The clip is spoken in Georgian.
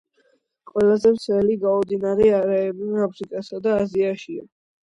ყველაზე ვრცელი გაუდინარი არეები აფრიკასა და აზიაშია.